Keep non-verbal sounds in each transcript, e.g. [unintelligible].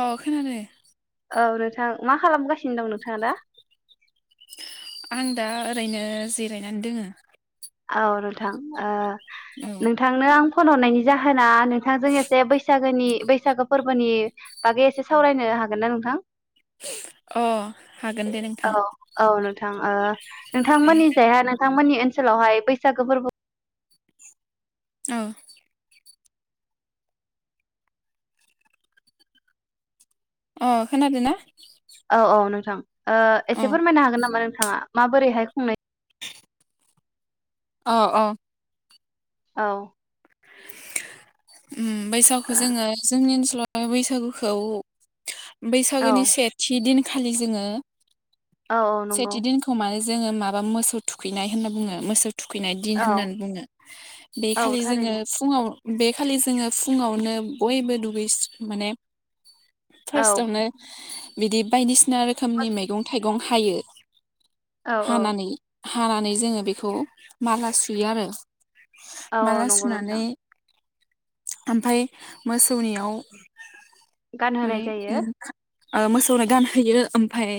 अ खोनादों औ नोंथां मा खालामगासिनो दं नोंथाङा दा आं दा ओरैनो जिरायनानै दोङो औ नोंथां ओ औ नोंथांनो आं फन हरनायनि जाहोना नों नोंथांजों एसे बैसाग बोनि बैसागो फोरबोनि बागै एसे सावरायनो हागोन ना नोंथां [unintelligible] अ हागोन दे नोंथां थां नोंथांमोननि जायहा नोंथांमोननि ओनसोलावहाय बैसागो फोरबो औ अ खोनादोंना औ औ नोंथां ओ एसे फोरमायनो हागोन नामा नों [unintelligible] माबोरैहाय खुंनाय औ औ औ उम बैसागु जोङो जोंनि ओनसोलाव बैसागुखौ औ बैसागोनि सेथि दिन खालि जोङो औ औ नंगौ सेथिदिन खमा जोङो माबा मोसौ थुखैनाय होनना बुङो मोसौ थुखैनाय दिन औ होननानै बुङो बे औ खालि थारैनो जोङो फुङाव बे खालि जोङो फुङावनो बयबो दुगैस माने औ फार्स्टआवनो बिदि बायदिसिना नि औ रोखोमनि मैंगं थाइगं गंहायो औ औ हानानै हानानै जोङो बेखौ माला सुयो आरो औ औ नंगौ नोंथां [unintelligible] ओमफाय मोसौनियाव गानहोनाय जायो अ मोसौनो गानहोयो ओमफाय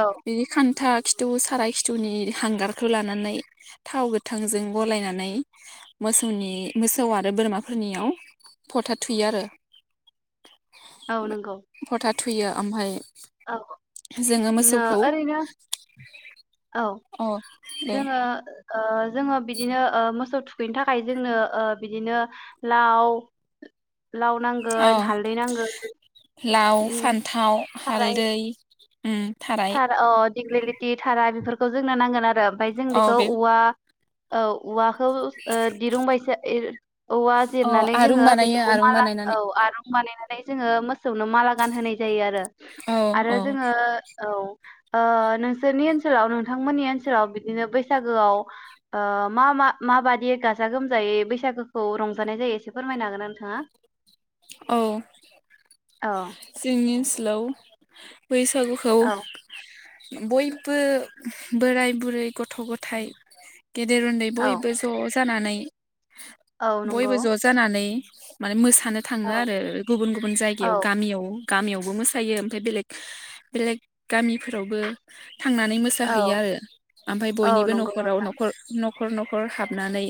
औ बिदि खान्था खिथु साराय खिथौनि हांगारखौ लानानै थाव गोथांजों गलायनानै मोसौनि मोसौ आरो बोरमाफोरनियाव फथा थुयो आरो औ नंगौ फथा थुयो ओमफाय औ जोङो नो मोसौखौ ओरैनो औ अ दे जोङो ओ जोङो बिदिनो ओ मोसौ थुखैनो थाखाय जोंनो ओ बिदिनो लाव लाव अ नांगोन हालदै नांगोन लाव उम फान्थाव थाराय हालदै उम थाराय थार अ दिग्लिलिटि थारा बेफोरखौ जोंनो नांगोन आरो ओमफाय जों अ बेखौ बे औवा औ औवा खौ ओ दिरुंबायसा औवा अ जिरनानै आरुं जोङो बानायो बेखौ आरुं माला बानायनानै औ आरुं बानायनानै जोङो मोसौनो माला गानहोनाय जायो आरो औ आरो औ जोङो औ अ नोंसोरनि ओनसोलाव नोंथांमोननि ओनसोलाव बिदिनो बैसागोआव ओ मा मा माबादि गाजा गोमजायै बैसागोखौ रंजानाय जायो एसे फोरमायनो हागोना नोंथाङा औ औ जोंनि लौ बैसागुखौ औ बयबो बोराय बुरै गथ' गथाइ गेदेर उन्दै औ बयबो ज' जानानै औ बयबो नंगौ ज' जानानै माने मोसा थाङो औ आरो गुबुन गुबुन औ जायगायाव गामियाव गामियावबो मोसायो ओमफ्राय बेलेक बेलेग गामिफोरावबो थांनानै औ मोसाहैयो आरो ओमफ्राय औ बयनिबो नंगौ नखराव नोंथां नखर नख नखर नखर हाबनानै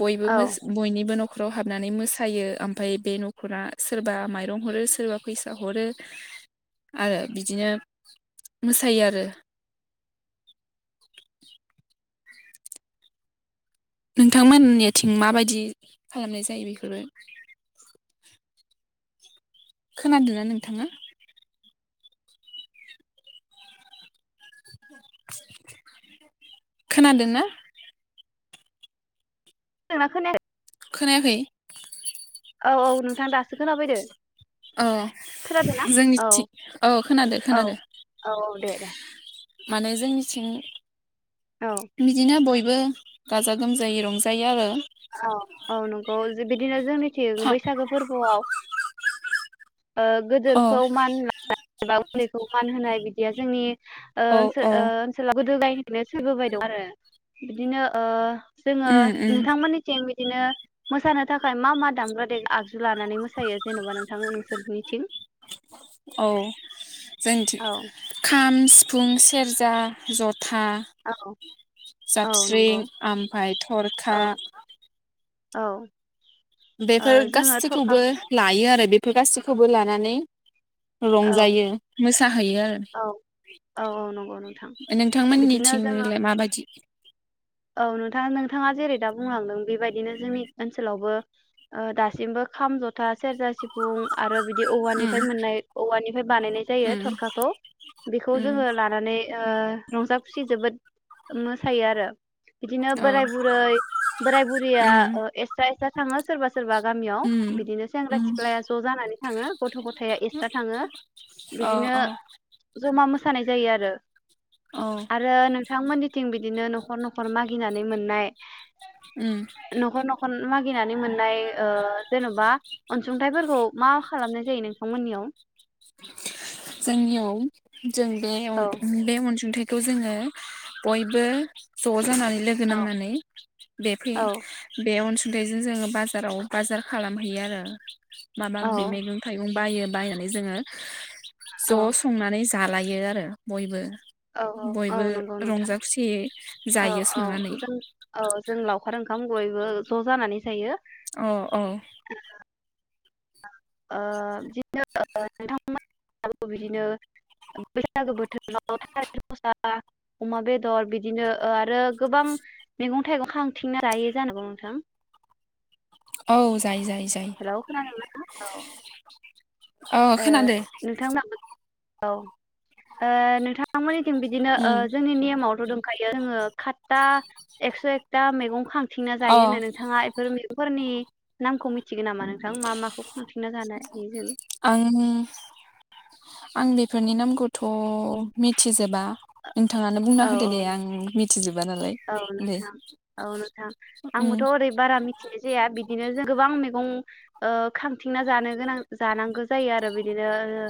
बयबो औ मोस बयनिबो नख नखराव हाबनानै मोसायो ओमफ्राय बे नखरा सोरबा माइरं हरो सोरबा फैसा हरो आरो बिदिनो मोसायो आरो [inaudible] नोंथांमोननिथिं माबायदि खालामनाय जायो बेफोरो खोनादोंना नोंथाङा खोनादोंना खोनादों ना खोनाया याखै औ औ नोंथां दासो खोनाफैदो अ खोनादोना? औ जोंनिथिं औ खोनादो औ खोनादो औ दे दे माने जोंनिथिं औ बिदिनो बय बो गाजा गोमजायै रंजायो आरो औ औ नंगौ जो-बिदिनो जोंनि थिं खा बैसागो फोरबोआव ओ अ गोदोरखौ मान होनाय एबा उन्दैखौ मान होनाय बिदि बेयो जोंनि ओ औ औ ओनसोल [unintelligible] बे सोलिबोबाय दं आरो बिदिनो ओ जोङो उम उम नोंथांमोननिथिं बिदिनो मोसानो थाखाय मा मा दामग्रा दे आगजु लानानै मोसायो जेनबा नोंथांमो सोरनिथिं औ जोंनिथि खाम सिफ फुं सेरजा जथ था औ औ नंगौ जाबस्रिं आमफ्राय औ थरखा औ ओ बेफोर जोङो थरखा गासैखौबो लायो आरो बेफोर गासैखौबो लानानै औ रंजायो मोसाहैयो औ औ औ नंगौ नोंथां ओ बिदिनो जोङो नोंथांमोननिथिंलाय माबायदि औ नोंथां नोंथाङा जेरै दा बुंलांदों बेबायदिनो जोंनि ओनसोलावबो ओ दासिमबो खाम जथा सेरजा सिफुं आरो बिद दि औवानिफ्राय उम मोननाय औवानिफ्राय बानायनाय जायो उम थरखाखौ बेखौ उम जोङो लानानै ओ रंजा खुसि जोबोद मोसायो आरो बिदिनो औ बोराय बुरै बोराय बुरैया उम ओ एक्स्ट्रा एक्स्ट्रा थाङो सोरबा सोरबा गामियाव उम बिदिनो सेंग्रा उम सिख्लाया ज' जानानै थाङो गथ' गथाया एक्सट्रा थाङो अ बिदिनो अ जमा मो मोसानाय जायो आरो। औ आरो नोंथांमोननि थिं बिदिनो नखर न'खर मागिनानै मोननाय उम नखर नखर [unintelligible] गिनानै मोननाय ओ जेन'बा अनसुंथाइफोरखौ मा खालामनो जायो नोंथांमोननियाव [inaudible] जोंनियाव जों बे अन औ बे अनसुंथाइ खौ जोङो बयबो ज जानानै लोगो औ नांनानै [unintelligible] औ बेजों जोङो बाजाराव बाजार खालामहैयो आरो माबा औ बि मैगं थाइगं बायो बायनानै जोङो [inaudible] औ ज' संनानै जालायो आरो बयबो औ औ औ बयबो नंगौ नोंथां रंजा खुसियै औ जायो औ संनानै जों औ जों लावखार ओंखाम बयबो ज' जानानै जायो औ औ [unintelligible] ओ ओ नोंथां मोनाबो बिदिनो बैसागो बोथोराव [unintelligible] अमा बेदर बिदिनो आरो गोबां मैगं थाइगं खांथिंना लायो जानांगौ नोंथां औ जायो जायो जायो हेलौ खोनादोंना औ ओ अ खोनादो नोंथांमोनाबो औ ओ नोंथांमोननि बिदिनो ओ उम जोंनि नेमावथ' दं ओमफायो जोङो खतता एक्स' एकता मैगं खां थिंना अ जायो होननानै नोंथाङा बेफोर फोरनि नामखौ मिथ मिथिगोन नामा नोंथां मा माखौ खांफिनना जानाय जों आं आं बेफोरनि नामखौथ' मिथिजोबा नोंथाङानो बुंना औ होदो दे आं मिथिजोबा नालाय औ औ दे नोंथां औ नोंथां उम आंबोथ' ओरै बारा मिथिनाय जाया बिदिनो जों गोबां मैगं ओ खां बिथिंना जानो गोनां जानांगो जायो आरो बिदि बिदिनो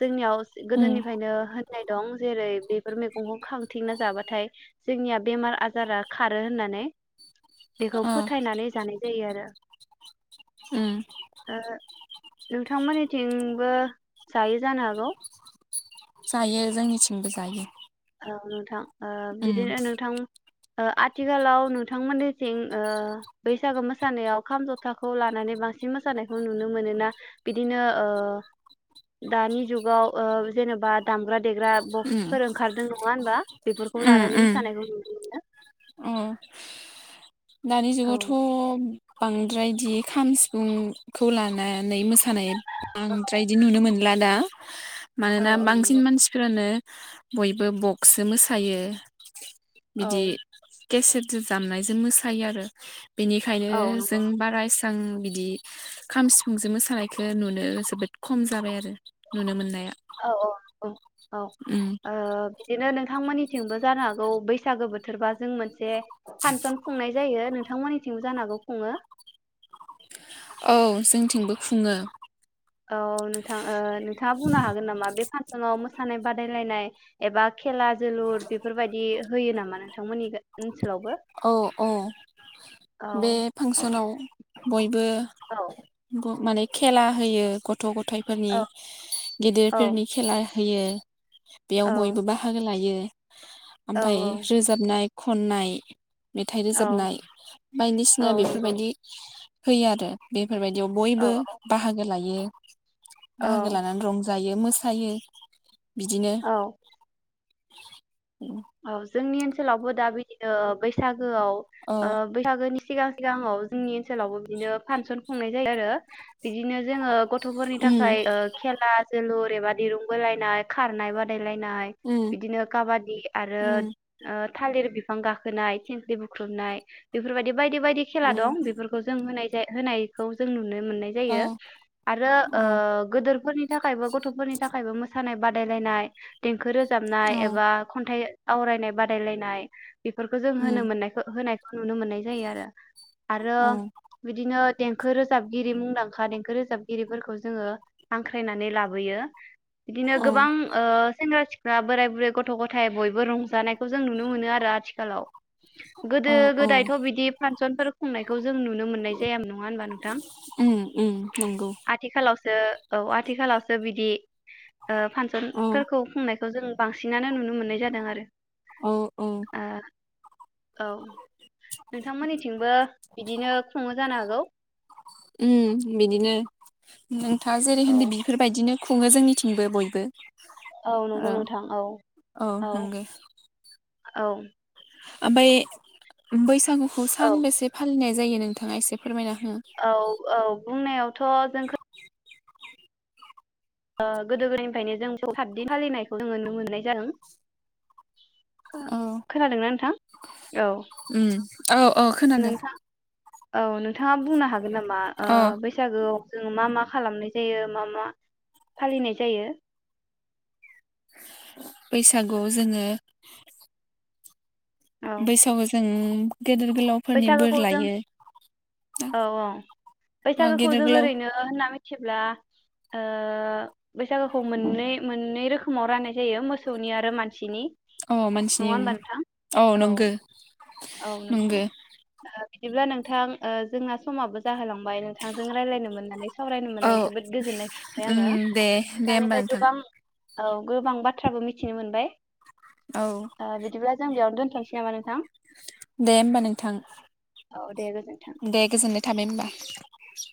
जोंनियाव उम गोदोनिफ्रायनो नाय दं जेरै बेफोर मैगंखौ खां थिंना जाबाथाय जोंनिया बेमार आजारा खारो होननानै बेखौ अ फोथायनानै जानाय जायो आरो उम ओ नोंथांमोननिथिंबो जायो जानो हागौ जायो जोंनिथिंबो जायो ओ नोंथां ओ उम बिदिनो नोंथां ओ आथिखालाव नोंथांमोननिथिं बैसागो मोसानायाव खाम जथाखौ लानानै बांसिन मोसानायखौ नुनो मोनोना बिदिनो ओ दानि जुगाव ओ जेनेबा दामग्रा देग्रा बकस उम फोर ओंखारदों नङा होनबा बेफोरखौ उम लानानै उम मोसानायखौ नुनो मोनो अ दानि औ जुगावथ' बांद्रायदि खाम सिफुंखौ लानानै मोस खानाय बांद्राय इदि नुनो मोनला दा। [inaudible] औ मानोना औ बांसिन नंगौ मानसिफोरानो बयबो बक्सो मोसायो औ बिदि केसेट जु जामनायजों मोस थायो आरो बेनिखायनो औ जों नंगौ बाराइसां बिदि बिदि खाम सिफुंजों मोसानायखौ नुनो जोबोद खम जाबाय आरो नुनो मोननाय औ औ औ औ ओ बिदिनो नोंथांमोननि थिंबो जानो हागौ बैसागो बोथोरबा जों मोनसे फानसन खुंनाय जायो नोंथांमोननि थिंबो जानो हागौ खुङो औ जोंथिंबो खुङो औ नोंथां ओ नोंथाङा बुंनो हागोन नामा बे फानस न आव मोसानाय बादायलायनाय एबा खेला जोलुर बेफोरबायदि होयो नामा नोंथांमोननि गा ओन औ औ औ बे फांसनाव बय बो औ ब माने खेला होयो गथ थ' गथाइ फोरनि औ औ गिदिरफोरनि खेला होयो बेयाव औ बयबो बाहागो लायो औ ओमफाय रोजाबनाय खननाय मेथाइ औ रोजाबनाय बायदिसिनाया औ नंगौ बेफोरबायदि होयो आरो बे फोरबायदियाव औ बयबो औ बाहागो लायो [inaudible] बाहागो औ लानानै रंजायो मोसायो बिदिनो [inaudible] औ औ जोंनि ओनसोलावबो दा बिदिनो ओ बैसाग गोआव औ ओ बैसागोनि सिगां सिगाङाव जोंनि ओनसोलावबो बिदिनो फानसन खुंनाय जायो आरो बिदिनो जोङो गथ'फोरनि उम थाखाय ओ खेला जोलुर बेबा दिरुं बोलायनाय खारनाय बादाय लायनाय उम बिदिनो काबादि ओ उम ओ थालिर बिफां गाखोनाय थिंखलि बुख्रबनाय बेफोर बायदि बायदि बायदि खेला दं उम बेफोरखौ जों होनाय जाय होनायखौ जों नु नों मोननाय औ जायो आरो अ ओ गोदोरफोरनि थाखायबो गथफोरनि थाखायबो मोसा नाय बादायलायनाय दें खो रोजाबनाय औ एबा खनथाइ आवरायनाय बादायलायनाय बेफोरखौ जों होनो उम मोननायखौ होनाय नुनो मोननाय जायो आरो आरो अ बिदिनो देंखो रोजाबगिरि मुंदांखा देंखो रोजाबगिरिफोरखौ जोङो हांख्रायनानै लाबोयो बिदिनो अ गोबां ओ सेंग्रा सिख ला बोराय बुरै ग थ गथाय बयबो रंजानायखौ जों नुनो मोनो आरो आथिखालाव गोदो अ औ गोदायथ बिदि फान सनफोर खुंनायखौ जों नुनो मोननाय जाया नङा होनबा नोंथां उम उम नंगौ आथिखालाव ओ औ आथिखालावसो बिदि ओ औ फांसनफोरखौ खुंनाय जों बांसिन नानो नुनो मोननाय जादों आरो औ औ औ नोंथांमोननिथिंबो बिदिनो खुङो जानो हागौ उम बिदिनो नोंथाङा जेरै औ होनदो बेफोर बायदिनो खुङो जोंनिथिंबो बयबो औ नंगौ ओ नोंथां औ औ औ ओमफ्राय बैसागु खौ औ सान बोसे फालिनाय जायो नोंथाङा एसे फोरमायना हो औ औ बुंनायावथ जोंखो गोदो गोदायनिफ्रायनो जोंखौ सातदिन फालिनायखौ जोङो नुनो मोननाय जादों खो औ खोनादोंना नोंथां औ उम औ औ खोनादों नोंथां औ नों नोंथाङा बुंनो हागोन नामा अ बैसागोआव जों मा मा खालामनाय जायो मा मा फालिनाय जायो बैसागुआव जोङो औ बैसागाव जों उम बैसागोखौ जों औ औ अ बैसागोखौ गेदेर जों गोलाव ओरैनो होनना मिथि थियोब्ला ओ बैसागोखौ मोननै मोननै रोखोमाव राननाय जायो मोसौनि आरो मानसिनि औ नङा मानसिनि होमबा नोंथां उम औ नंगो औ नोंथां नंगो बिदिब्ला नोंथां ओ जोंना समाबो जाहोलांबाय नोंथांजों रायलायनो मोननानै सावरायनो औ मोननानै जोबोद गोजोननाय थाबाय उम आङो दे दे होमबा नोंथांनिफ्राय नोंथां गोबां औ गोबां बाथ्राबो मिथिनो मोनबाय औ ओ बिदिब्ला जों बिमानो दो थसै नामा नोंथां दे होमबा नोंथां औ दे गोजोन्थों दे गोजोन्नाय थाबाय होनबा